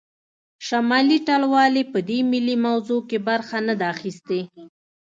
شمالي ټلوالې په دې ملي موضوع کې برخه نه ده اخیستې